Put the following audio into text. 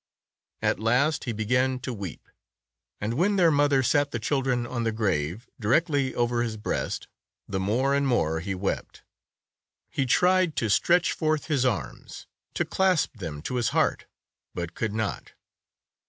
At last he began to weep. And when their mother sat the children on the grave, directly over his breast, the more and more he wept. He tried to stretch forth his arms, to clasp them to his heart, but could not.